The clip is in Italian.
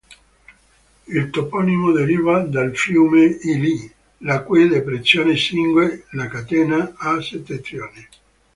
Il toponimo deriva dal fiume Ili, la cui depressione cinge la catena a settentrione.